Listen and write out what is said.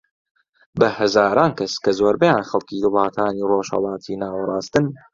بە هەزاران کەس کە زۆربەیان خەڵکی وڵاتانی ڕۆژهەلاتی ناوەڕاستن